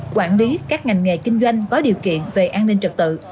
quản lý các ngành nghề kinh doanh có điều kiện về an ninh trật tự